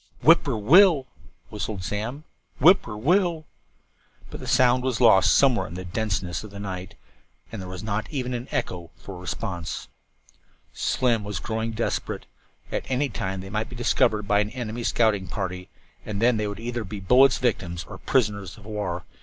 "Whip poor will l l," whistled Slim. "Whip poor will l l." But the sound was lost somewhere in the denseness of the night, and there was not even an echo for response. Slim was growing desperate. At any time they might be discovered by an enemy scouting party, and then they would either be bullets' victims or prisoners of war.